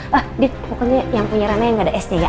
pokoknya yang punya raina yang gak ada esnya ya